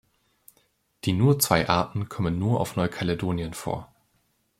Die nur zwei Arten kommen nur auf Neukaledonien vor.